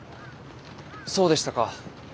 そうでしたか。